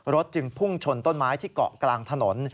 จึงพุ่งชนต้นไม้ที่เกาะกลางถนน